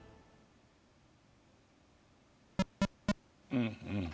うんうん。